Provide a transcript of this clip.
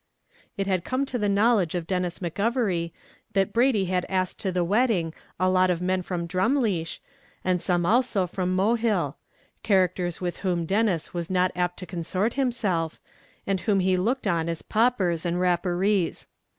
It had come to the knowledge of Denis McGovery that Brady had asked to the wedding a lot of men from Drumleesh, and some also from Mohill characters with whom Denis was not apt to consort himself, and whom he looked on as paupers and rapparees.